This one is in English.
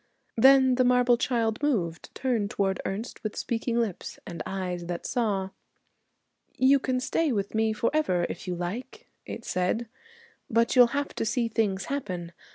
Then the marble child moved, turned toward Ernest with speaking lips and eyes that saw. 'You can stay with me forever if you like,' it said, 'but you'll have to see things happen.